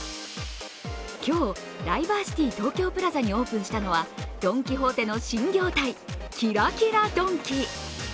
今日、ダイバーシティ東京プラザにオープンしたのはドン・キホーテの新業態キラキラドンキ。